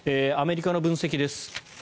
アメリカの分析です。